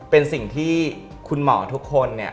เป็นสิ่งที่คุณหมอทุกคนเนี่ย